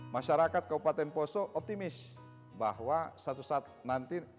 masyarakat kabupaten poso optimis bahwa satu saat nanti